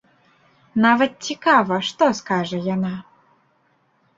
Нават цікава, што скажа яна.